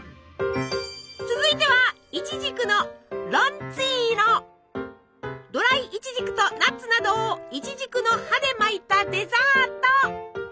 続いてはドライイチジクとナッツなどをイチジクの葉で巻いたデザート。